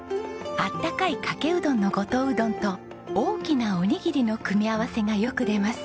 あったかいかけうどんの五島うどんと大きなおにぎりの組み合わせがよく出ます。